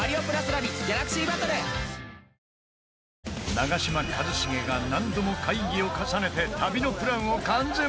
長嶋一茂が何度も会議を重ねて旅のプランを完全プロデュース